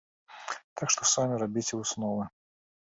Так што самі рабіце высновы.